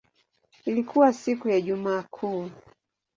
Ilikuwa siku ya Ijumaa Kuu.